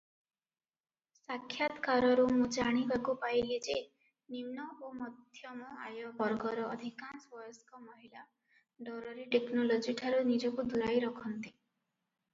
ସାକ୍ଷାତକାରରୁ ମୁଁ ଜାଣିବାକୁ ପାଇଲି ଯେ ନିମ୍ନ ଓ ମଧ୍ୟମ ଆୟ ବର୍ଗର ଅଧିକାଂଶ ବୟସ୍କ ମହିଳା ଡରରେ ଟେକ୍ନୋଲୋଜିଠାରୁ ନିଜକୁ ଦୂରାଇ ରଖନ୍ତି ।